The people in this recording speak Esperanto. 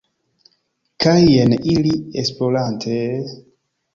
Kaj jen ili, esplorante...